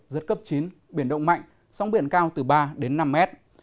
giật cấp chín biển động mạnh sóng biển cao từ ba đến năm mét